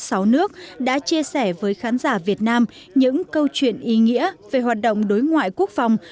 sáu nước đã chia sẻ với khán giả việt nam những câu chuyện ý nghĩa về hoạt động đối ngoại quốc phòng